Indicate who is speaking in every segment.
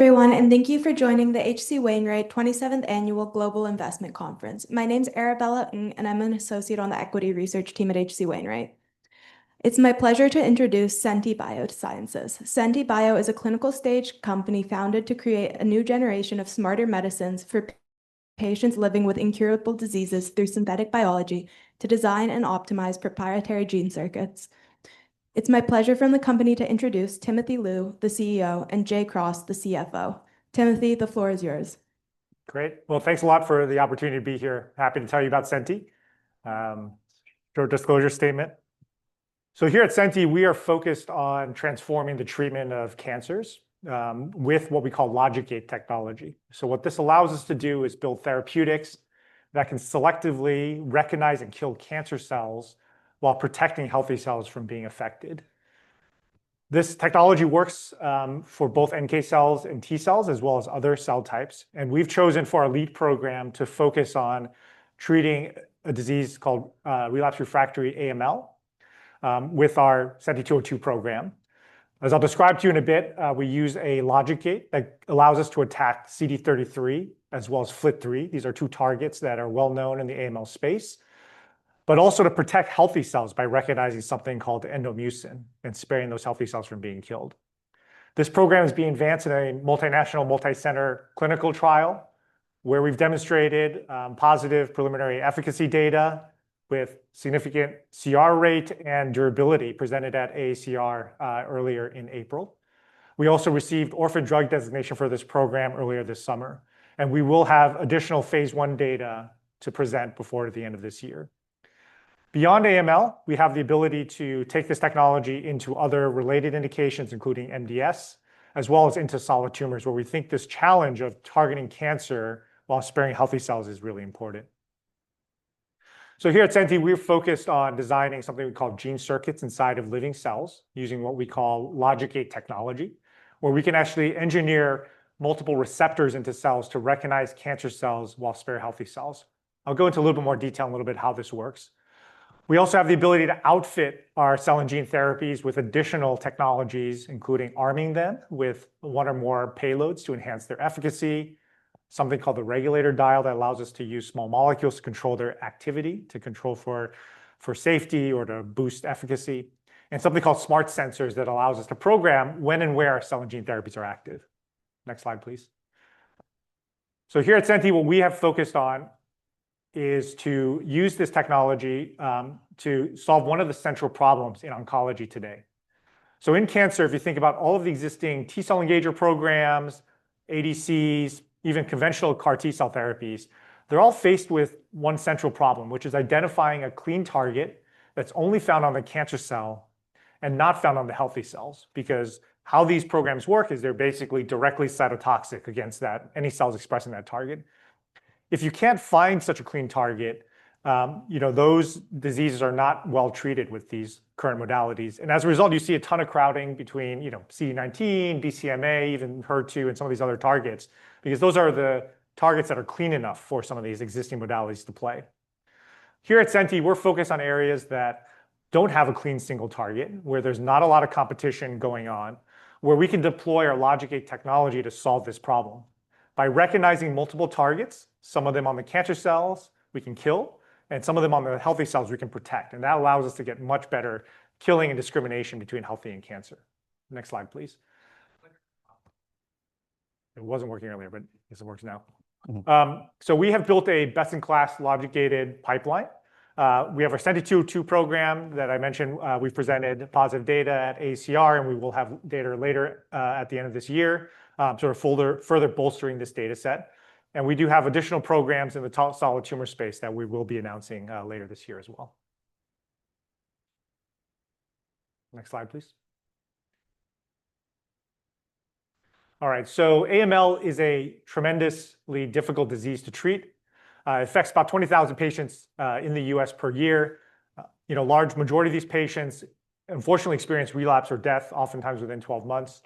Speaker 1: Hello everyone, and thank you for joining the H.C. Wainwright 27th Annual Global Investment Conference. My name is Arabella Ng, and I'm an associate on the equity research team at H.C. Wainwright. It's my pleasure to introduce Senti Biosciences. Senti Bio is a clinical-stage company founded to create a new generation of smarter medicines for patients living with incurable diseases through synthetic biology to design and optimize proprietary gene circuits. It's my pleasure from the company to introduce Timothy Lu, the CEO, and Jay Cross, the CFO. Timothy, the floor is yours.
Speaker 2: Great. Well, thanks a lot for the opportunity to be here. Happy to tell you about Senti. Short disclosure statement. So here at Senti, we are focused on transforming the treatment of cancers with what we call Logic Gate technology. So what this allows us to do is build therapeutics that can selectively recognize and kill cancer cells while protecting healthy cells from being affected. This technology works for both NK cells and T cells, as well as other cell types. And we've chosen for our lead program to focus on treating a disease called relapse/refractory AML with our SENTI-202 program. As I'll describe to you in a bit, we use a Logic Gate that allows us to attack CD33, as well as FLT3. These are two targets that are well known in the AML space, but also to protect healthy cells by recognizing something called Endomucin and sparing those healthy cells from being killed. This program is being advanced in a multinational, multi-center clinical trial where we've demonstrated positive preliminary efficacy data with significant CR rate and durability presented at AACR earlier in April. We also received orphan drug designation for this program earlier this summer, and we will have additional Phase I data to present before the end of this year. Beyond AML, we have the ability to take this technology into other related indications, including MDS, as well as into solid tumors, where we think this challenge of targeting cancer while sparing healthy cells is really important. So here at Senti, we've focused on designing something we call gene circuits inside of living cells using what we call Logic Gate technology, where we can actually engineer multiple receptors into cells to recognize cancer cells while sparing healthy cells. I'll go into a little bit more detail in a little bit how this works. We also have the ability to outfit our cell and gene therapies with additional technologies, including arming them with one or more payloads to enhance their efficacy, something called the Regulator Dial that allows us to use small molecules to control their activity, to control for safety or to boost efficacy, and something called Smart Sensors that allows us to program when and where our cell and gene therapies are active. Next slide, please. So here at Senti, what we have focused on is to use this technology to solve one of the central problems in oncology today. So in cancer, if you think about all of the existing T cell engager programs, ADCs, even conventional CAR T cell therapies, they're all faced with one central problem, which is identifying a clean target that's only found on the cancer cell and not found on the healthy cells, because how these programs work is they're basically directly cytotoxic against any cells expressing that target. If you can't find such a clean target, those diseases are not well treated with these current modalities. And as a result, you see a ton of crowding between CD19, BCMA, even HER2, and some of these other targets, because those are the targets that are clean enough for some of these existing modalities to play. Here at Senti, we're focused on areas that don't have a clean single target, where there's not a lot of competition going on, where we can deploy our Logic Gate technology to solve this problem by recognizing multiple targets. Some of them on the cancer cells we can kill, and some of them on the healthy cells we can protect, and that allows us to get much better killing and discrimination between healthy and cancer. Next slide, please. It wasn't working earlier, but it works now, so we have built a best-in-class Logic Gated pipeline. We have our SENTI-202 program that I mentioned. We've presented positive data at AACR, and we will have data later at the end of this year, sort of further bolstering this data set, and we do have additional programs in the solid tumor space that we will be announcing later this year as well. Next slide, please. All right, so AML is a tremendously difficult disease to treat. It affects about 20,000 patients in the U.S. per year. A large majority of these patients, unfortunately, experience relapse or death, oftentimes within 12 months.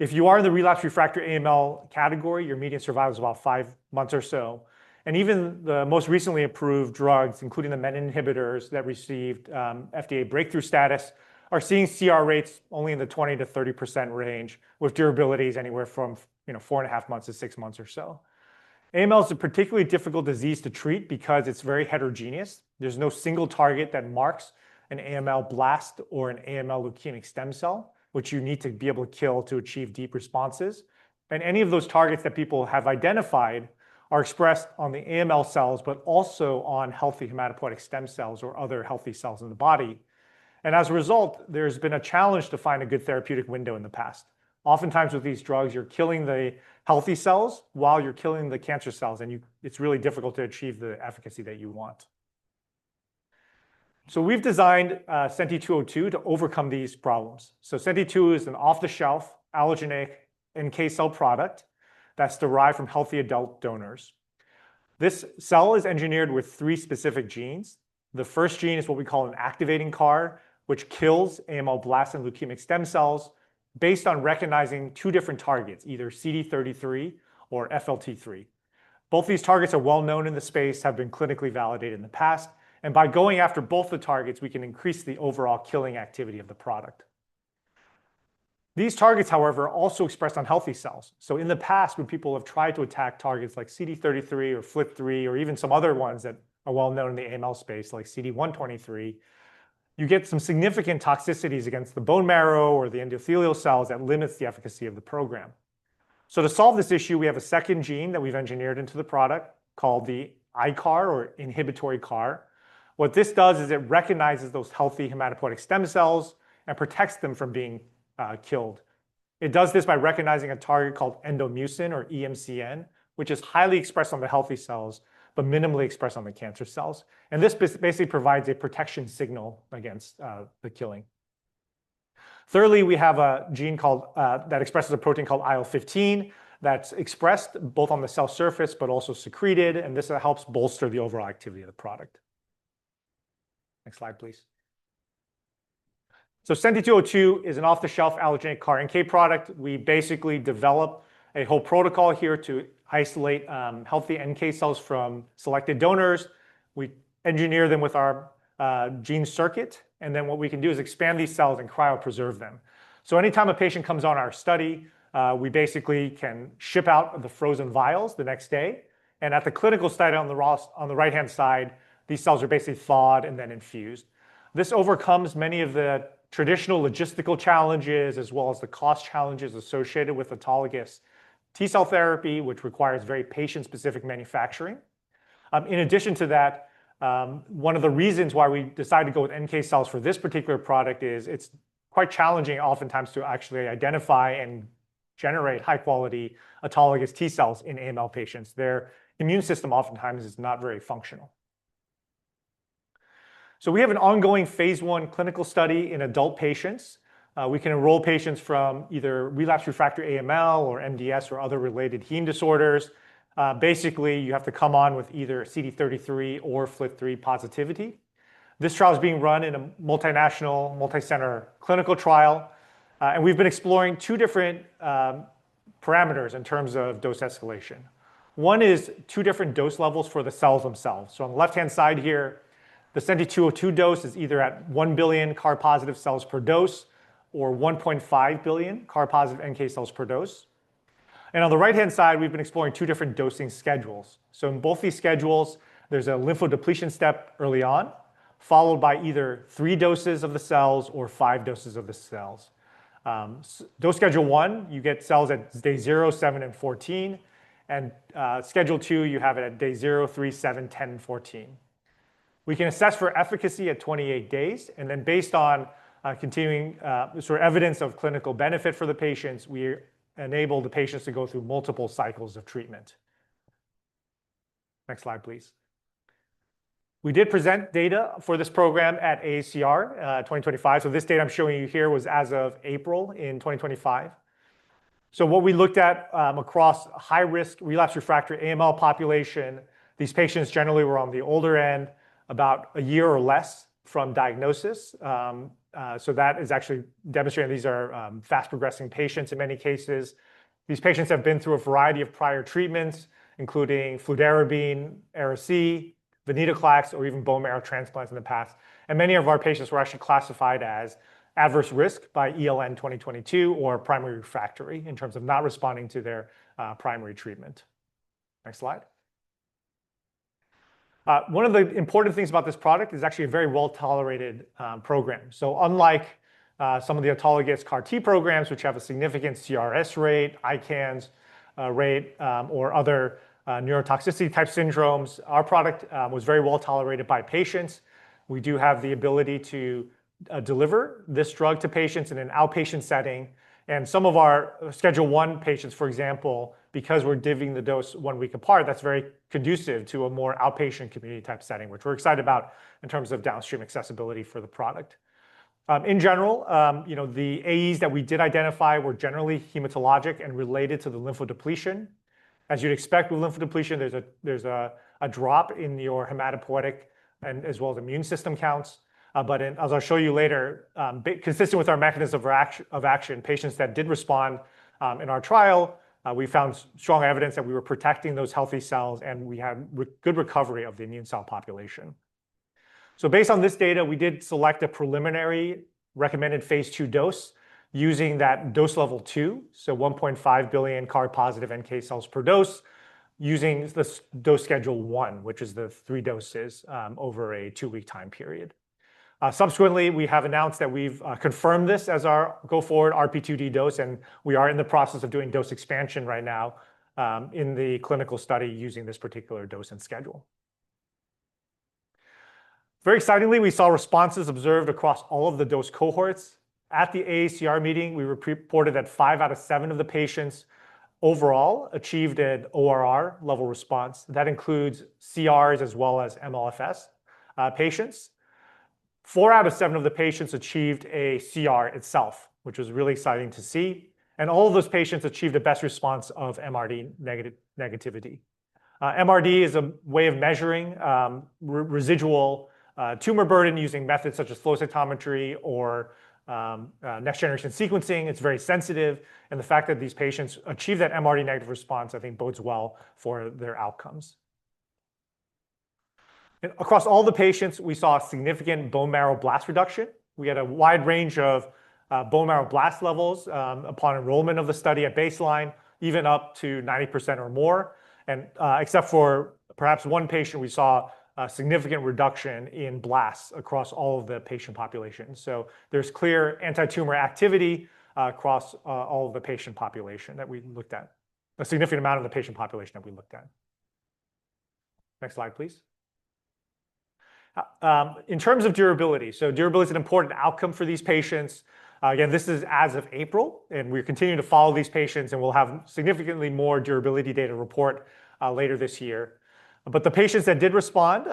Speaker 2: If you are in the relapse/refractory AML category, your median survival is about five months or so. And even the most recently approved drugs, including the menin inhibitors that received FDA breakthrough status, are seeing CR rates only in the 20%-30% range, with durabilities anywhere from four and a half months to six months or so. AML is a particularly difficult disease to treat because it's very heterogeneous. There's no single target that marks an AML blast or an AML leukemic stem cell, which you need to be able to kill to achieve deep responses. Any of those targets that people have identified are expressed on the AML cells, but also on healthy hematopoietic stem cells or other healthy cells in the body. As a result, there's been a challenge to find a good therapeutic window in the past. Oftentimes with these drugs, you're killing the healthy cells while you're killing the cancer cells, and it's really difficult to achieve the efficacy that you want. We've designed SENTI-202 to overcome these problems. SENTI-202 is an off-the-shelf allogeneic NK cell product that's derived from healthy adult donors. This cell is engineered with three specific genes. The first gene is what we call an activating CAR, which kills AML blast and leukemic stem cells based on recognizing two different targets, either CD33 or FLT3. Both these targets are well known in the space, have been clinically validated in the past, and by going after both the targets, we can increase the overall killing activity of the product. These targets, however, are also expressed on healthy cells. So in the past, when people have tried to attack targets like CD33 or FLT3 or even some other ones that are well known in the AML space, like CD123, you get some significant toxicities against the bone marrow or the endothelial cells that limits the efficacy of the program. So to solve this issue, we have a second gene that we've engineered into the product called the ICAR or inhibitory CAR. What this does is it recognizes those healthy hematopoietic stem cells and protects them from being killed. It does this by recognizing a target called Endomucin or EMCN, which is highly expressed on the healthy cells, but minimally expressed on the cancer cells. And this basically provides a protection signal against the killing. Thirdly, we have a gene that expresses a protein called IL-15 that's expressed both on the cell surface, but also secreted, and this helps bolster the overall activity of the product. Next slide, please. So SENTI-202 is an off-the-shelf allogeneic CAR NK product. We basically develop a whole protocol here to isolate healthy NK cells from selected donors. We engineer them with our gene circuit, and then what we can do is expand these cells and cryopreserve them. So anytime a patient comes on our study, we basically can ship out the frozen vials the next day. At the clinical study on the right-hand side, these cells are basically thawed and then infused. This overcomes many of the traditional logistical challenges, as well as the cost challenges associated with autologous T cell therapy, which requires very patient-specific manufacturing. In addition to that, one of the reasons why we decided to go with NK cells for this particular product is it's quite challenging oftentimes to actually identify and generate high-quality autologous T cells in AML patients. Their immune system oftentimes is not very functional. So we have an ongoing Phase I clinical study in adult patients. We can enroll patients from either relapse/refractory AML or MDS or other related heme disorders. Basically, you have to come on with either CD33 or FLT3 positivity. This trial is being run in a multinational, multi-center clinical trial, and we've been exploring two different parameters in terms of dose escalation. One is two different dose levels for the cells themselves. So on the left-hand side here, the SENTI-202 dose is either at 1 billion CAR-positive cells per dose or 1.5 billion CAR-positive NK cells per dose, and on the right-hand side, we've been exploring two different dosing schedules. So in both these schedules, there's a lymphodepletion step early on, followed by either three doses of the cells or five doses of the cells. Dose schedule one, you get cells at day zero, seven, and 14, and schedule two, you have it at day zero, three, seven, ten, and 14. We can assess for efficacy at 28 days. And then based on continuing sort of evidence of clinical benefit for the patients, we enable the patients to go through multiple cycles of treatment. Next slide, please. We did present data for this program at AACR 2025. This data I'm showing you here was as of April in 2025. What we looked at across high-risk relapse/refractory AML population, these patients generally were on the older end, about a year or less from diagnosis. That is actually demonstrating these are fast-progressing patients in many cases. These patients have been through a variety of prior treatments, including fludarabine, Ara-C, venetoclax, or even bone marrow transplants in the past, and many of our patients were actually classified as adverse risk by ELN 2022 or primary refractory in terms of not responding to their primary treatment. Next slide. One of the important things about this product is actually a very well-tolerated program. Unlike some of the autologous CAR T programs, which have a significant CRS rate, ICANS rate, or other neurotoxicity-type syndromes, our product was very well tolerated by patients. We do have the ability to deliver this drug to patients in an outpatient setting. And some of our schedule one patients, for example, because we're divvying the dose one week apart, that's very conducive to a more outpatient community-type setting, which we're excited about in terms of downstream accessibility for the product. In general, the AEs that we did identify were generally hematologic and related to the lymphodepletion. As you'd expect with lymphodepletion, there's a drop in your hematopoietic and as well as immune system counts. But as I'll show you later, consistent with our mechanism of action, patients that did respond in our trial, we found strong evidence that we were protecting those healthy cells and we had good recovery of the immune cell population. Based on this data, we did select a preliminary recommended phase II dose using that dose level two, so 1.5 billion CAR-positive NK cells per dose using the dose schedule one, which is the three doses over a two-week time period. Subsequently, we have announced that we've confirmed this as our go-forward RP2D dose, and we are in the process of doing dose expansion right now in the clinical study using this particular dose and schedule. Very excitingly, we saw responses observed across all of the dose cohorts. At the AACR meeting, we reported that five out of seven of the patients overall achieved an ORR level response. That includes CRs as well as MLFS patients. Four out of seven of the patients achieved a CR itself, which was really exciting to see. All of those patients achieved the best response of MRD negativity. MRD is a way of measuring residual tumor burden using methods such as flow cytometry or next-generation sequencing. It's very sensitive. And the fact that these patients achieve that MRD negative response, I think bodes well for their outcomes. Across all the patients, we saw significant bone marrow blast reduction. We had a wide range of bone marrow blast levels upon enrollment of the study at baseline, even up to 90% or more. And except for perhaps one patient, we saw a significant reduction in blasts across all of the patient population. So there's clear anti-tumor activity across all of the patient population that we looked at, a significant amount of the patient population that we looked at. Next slide, please. In terms of durability, so durability is an important outcome for these patients. Again, this is as of April, and we're continuing to follow these patients, and we'll have significantly more durability data report later this year. But the patients that did respond,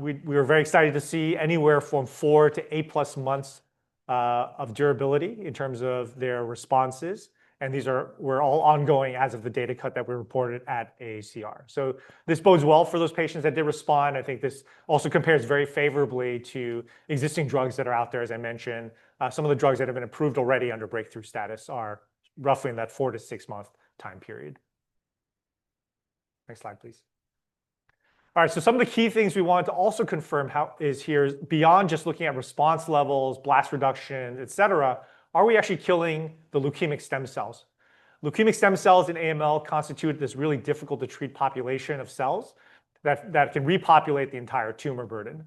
Speaker 2: we were very excited to see anywhere from four- to eight-plus months of durability in terms of their responses. And these were all ongoing as of the data cut that we reported at AACR. So this bodes well for those patients that did respond. I think this also compares very favorably to existing drugs that are out there, as I mentioned. Some of the drugs that have been approved already under breakthrough status are roughly in that four- to six-month time period. Next slide, please. All right, so some of the key things we wanted to also confirm is here, beyond just looking at response levels, blast reduction, et cetera, are we actually killing the leukemic stem cells? Leukemic stem cells in AML constitute this really difficult-to-treat population of cells that can repopulate the entire tumor burden,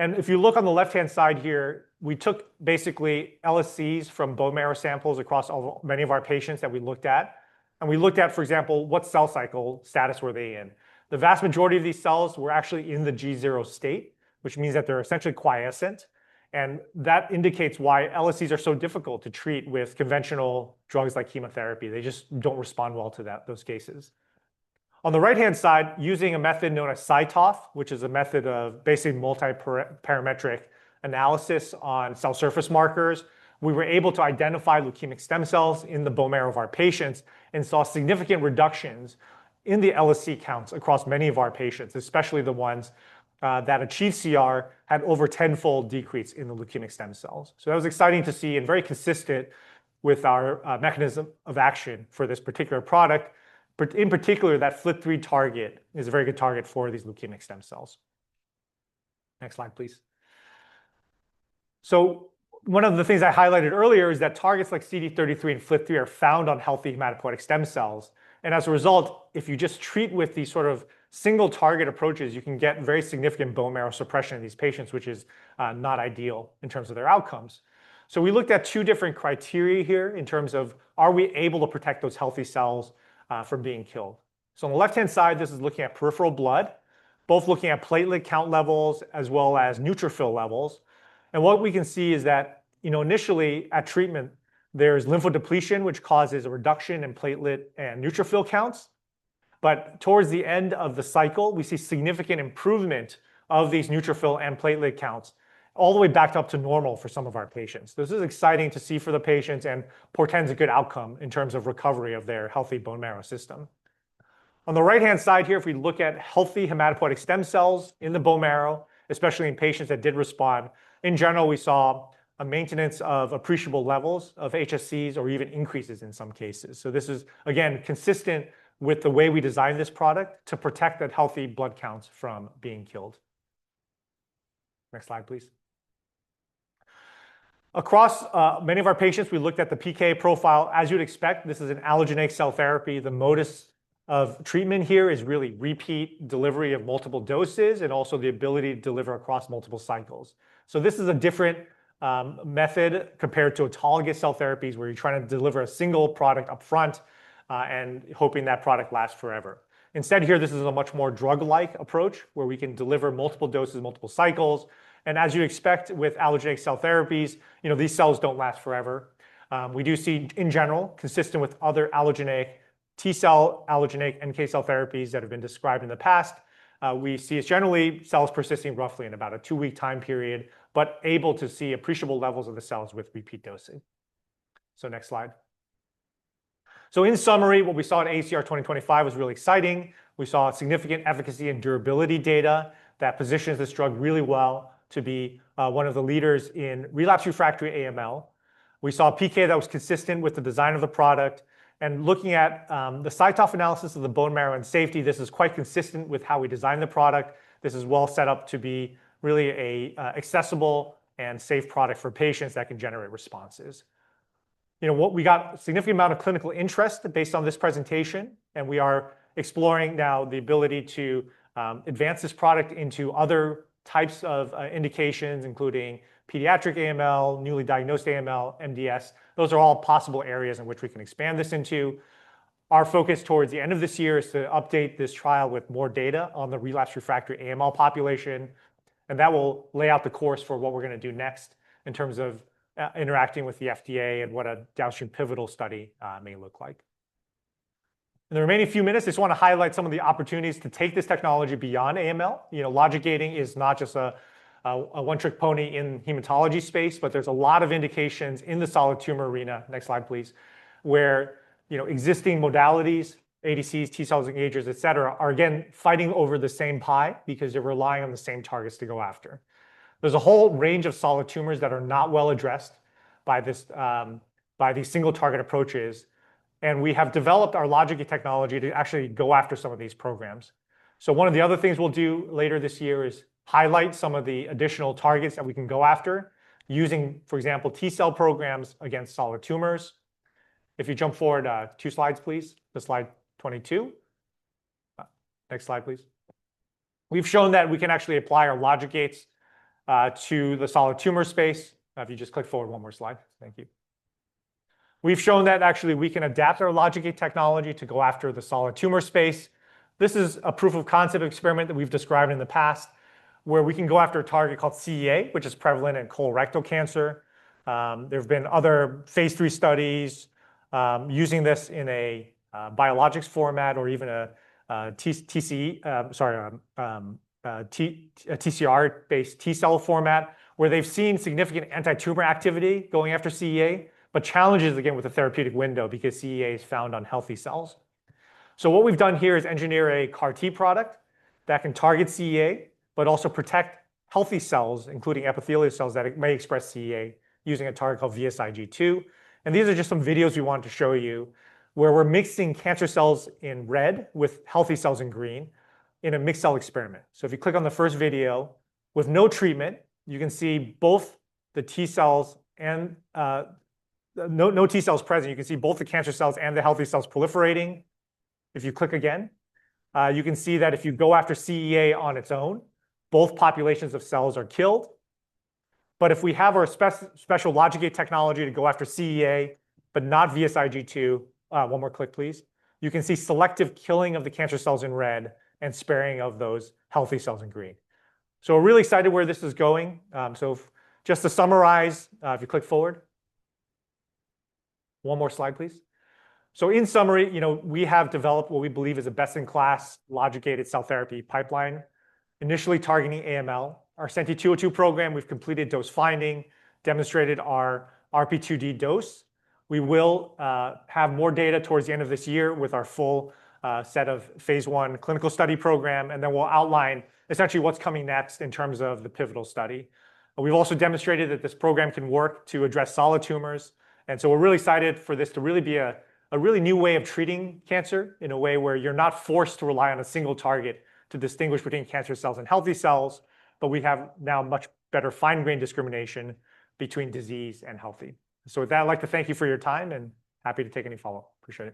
Speaker 2: and if you look on the left-hand side here, we took basically LSCs from bone marrow samples across many of our patients that we looked at, and we looked at, for example, what cell cycle status were they in. The vast majority of these cells were actually in the G0 state, which means that they're essentially quiescent, and that indicates why LSCs are so difficult to treat with conventional drugs like chemotherapy. They just don't respond well to those cases. On the right-hand side, using a method known as CyTOF, which is a method of basically multi-parametric analysis on cell surface markers, we were able to identify leukemic stem cells in the bone marrow of our patients and saw significant reductions in the LSC counts across many of our patients, especially the ones that achieved CR had over tenfold decrease in the leukemic stem cells. So that was exciting to see and very consistent with our mechanism of action for this particular product. In particular, that FLT3 target is a very good target for these leukemic stem cells. Next slide, please. So one of the things I highlighted earlier is that targets like CD33 and FLT3 are found on healthy hematopoietic stem cells. As a result, if you just treat with these sort of single-target approaches, you can get very significant bone marrow suppression in these patients, which is not ideal in terms of their outcomes. We looked at two different criteria here in terms of are we able to protect those healthy cells from being killed. On the left-hand side, this is looking at peripheral blood, both looking at platelet count levels as well as neutrophil levels. What we can see is that initially at treatment, there's lymphodepletion, which causes a reduction in platelet and neutrophil counts. Towards the end of the cycle, we see significant improvement of these neutrophil and platelet counts all the way back up to normal for some of our patients. This is exciting to see for the patients and portends a good outcome in terms of recovery of their healthy bone marrow system. On the right-hand side here, if we look at healthy hematopoietic stem cells in the bone marrow, especially in patients that did respond, in general, we saw a maintenance of appreciable levels of HSCs or even increases in some cases. So this is, again, consistent with the way we designed this product to protect that healthy blood counts from being killed. Next slide, please. Across many of our patients, we looked at the PK profile. As you'd expect, this is an allogeneic cell therapy. The mode of treatment here is really repeat delivery of multiple doses and also the ability to deliver across multiple cycles. So this is a different method compared to autologous cell therapies where you're trying to deliver a single product upfront and hoping that product lasts forever. Instead, here, this is a much more drug-like approach where we can deliver multiple doses, multiple cycles. And as you expect with allogeneic cell therapies, these cells don't last forever. We do see, in general, consistent with other allogeneic T cell, allogeneic NK cell therapies that have been described in the past, we see generally cells persisting roughly in about a two-week time period, but able to see appreciable levels of the cells with repeat dosing. So next slide. So in summary, what we saw at AACR 2025 was really exciting. We saw significant efficacy and durability data that positions this drug really well to be one of the leaders in relapsed/refractory AML. We saw PK that was consistent with the design of the product, and looking at the CyTOF analysis of the bone marrow and safety, this is quite consistent with how we designed the product. This is well set up to be really an accessible and safe product for patients that can generate responses. We got a significant amount of clinical interest based on this presentation, and we are exploring now the ability to advance this product into other types of indications, including pediatric AML, newly diagnosed AML, MDS. Those are all possible areas in which we can expand this into. Our focus towards the end of this year is to update this trial with more data on the relapse/refractory AML population. And that will lay out the course for what we're going to do next in terms of interacting with the FDA and what a downstream pivotal study may look like. In the remaining few minutes, I just want to highlight some of the opportunities to take this technology beyond AML. Logic gating is not just a one-trick pony in hematology space, but there's a lot of indications in the solid tumor arena. Next slide, please, where existing modalities, ADCs, T cells, engagers, et cetera, are again fighting over the same pie because they're relying on the same targets to go after. There's a whole range of solid tumors that are not well addressed by these single-target approaches, and we have developed our logic technology to actually go after some of these programs. So one of the other things we'll do later this year is highlight some of the additional targets that we can go after using, for example, T cell programs against solid tumors. If you jump forward two slides, please, to slide 22. Next slide, please. We've shown that we can actually apply our logic gates to the solid tumor space. If you just click forward one more slide, thank you. We've shown that actually we can adapt our logic gate technology to go after the solid tumor space. This is a proof of concept experiment that we've described in the past where we can go after a target called CEA, which is prevalent in colorectal cancer. There have been other phase three studies using this in a biologics format or even a TCE, sorry, a TCR-based T cell format where they've seen significant anti-tumor activity going after CEA, but challenges again with the therapeutic window because CEA is found on healthy cells. So what we've done here is engineer a CAR T product that can target CEA, but also protect healthy cells, including epithelial cells that may express CEA using a target called VSIG2. And these are just some videos we wanted to show you where we're mixing cancer cells in red with healthy cells in green in a mixed cell experiment. So if you click on the first video with no treatment, you can see both the T cells and no T cells present. You can see both the cancer cells and the healthy cells proliferating. If you click again, you can see that if you go after CEA on its own, both populations of cells are killed. But if we have our special logic gate technology to go after CEA, but not VSIG2, one more click, please, you can see selective killing of the cancer cells in red and sparing of those healthy cells in green. So we're really excited where this is going. So just to summarize, if you click forward, one more slide, please. So in summary, we have developed what we believe is a best-in-class logic gated cell therapy pipeline, initially targeting AML. Our SENTI-202 program, we've completed dose finding, demonstrated our RP2D dose. We will have more data towards the end of this year with our full set of Phase I clinical study program, and then we'll outline essentially what's coming next in terms of the pivotal study. We've also demonstrated that this program can work to address solid tumors. And so we're really excited for this to really be a really new way of treating cancer in a way where you're not forced to rely on a single target to distinguish between cancer cells and healthy cells, but we have now much better fine-grain discrimination between disease and healthy. So with that, I'd like to thank you for your time and happy to take any follow-up. Appreciate it.